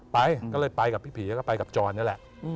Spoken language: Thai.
ไปก็เลยไปกับพี่ผีแล้วก็ไปกับจรนี่แหละ